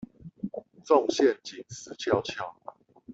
中陷阱死翹翹